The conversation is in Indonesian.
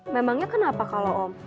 memangnya kenapa kalau om